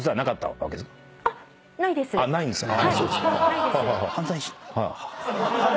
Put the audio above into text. ないんですか。